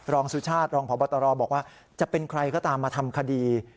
สุชาติรองพบตรบอกว่าจะเป็นใครก็ตามมาทำคดี